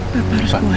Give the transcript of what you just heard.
bapak harus puas